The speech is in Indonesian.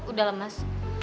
udah lah mas